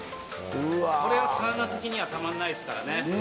これはサウナ好きにはたまらないですからね。